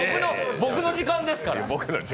僕の時間ですから。